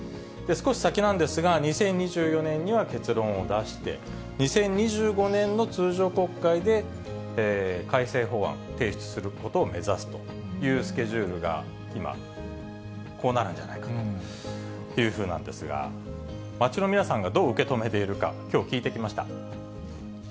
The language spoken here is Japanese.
少し先なんですが、２０２４年には結論を出して、２０２５年の通常国会で、改正法案、提出することを目指すというスケジュールが今、こうなるんじゃないかなっていうふうなんですが、街の皆さんがどう受け止めているか、きょう、聞いてきました。